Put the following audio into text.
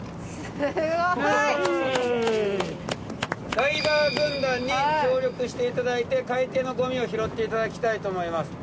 ダイバー軍団に協力していただいて海底のごみを拾っていただきたいと思います。